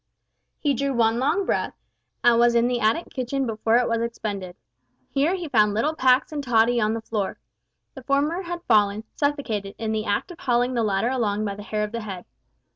He drew one long breath, and was in the attic kitchen before it was expended. Here he found little Pax and Tottie on the floor. The former had fallen, suffocated, in the act of hauling the latter along by the hair of the head.